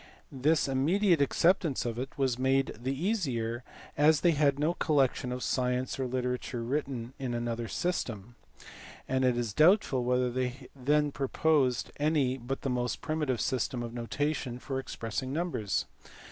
This immediate acceptance of it was made the easier as they had no collection of science or literature written in another system, and it is doubtful whether they then possessed any but the most primitive system of notation for expressing numbers.